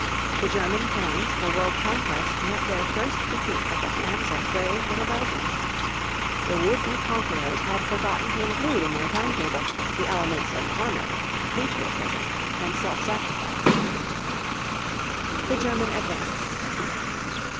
The German plans for world conquest met their first defeat at the hands of brave little Belgium. The would be conquerors had forgotten to include in their time table the elements of honor, patriotism, and self sacrifice. [Illustration: THE WESTERN FRONT 1914] THE GERMAN ADVANCE.